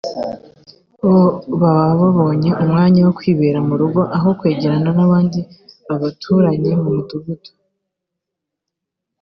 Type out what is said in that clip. bo baba babonye umwanya wo kwibera mu rugo aho kwegerana n’abandi baturanye mu mudugudu